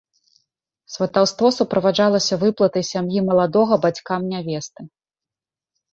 Сватаўство суправаджалася выплатай сям'і маладога бацькам нявесты.